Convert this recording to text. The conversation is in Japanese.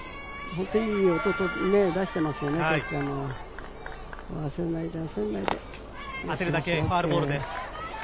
本当にいい音を出していますよね、キャッチャーがね。